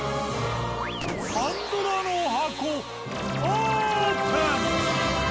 パンドラの箱オープン！